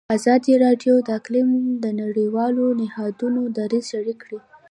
ازادي راډیو د اقلیم د نړیوالو نهادونو دریځ شریک کړی.